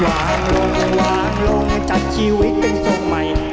วางลงวางลงจัดชีวิตเป็นส่วนใหม่